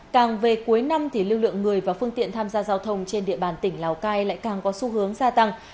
càng về cuối năm thì lưu lượng người và phương tiện tham gia giao thông trên địa bàn tỉnh lào cai lại càng có xu hướng gia tăng